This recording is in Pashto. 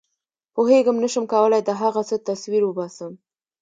پوهېږم نه شم کولای د هغه څه تصویر وباسم.